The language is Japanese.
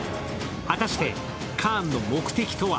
果たして、カーンの目的とは？